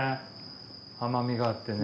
甘みがあってね。